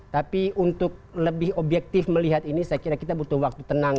tapi untuk lebih objektif melihat ini saya kira kita butuh waktu tenang